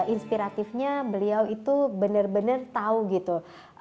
inspiratifnya beliau itu benar benar tahu gitu